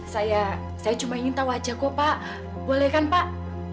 saya cuma ingin tahu aja kok pak boleh kan pak